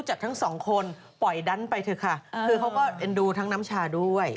อ๋อฮีมารายคือสูงมาก